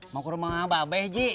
mau ke rumah babay d